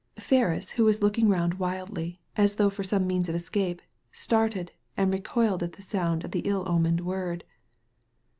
Ferris, who was looking round wildly, as though for some means of escape, started and recoiled at the sound of the ill omened word.